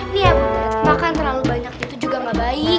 nih ya butet makan terlalu banyak itu juga gak baik